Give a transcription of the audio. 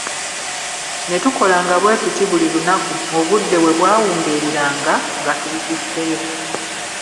Ne tukolanga bwe tuti buli lunaku; obudde we bwawungeereranga nga tubitutteyo.